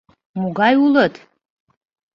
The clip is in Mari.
Могай улыт!